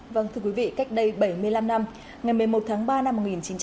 vâng thưa quý vị cách đây bảy mươi năm năm ngày một mươi một tháng ba năm một nghìn chín trăm bảy mươi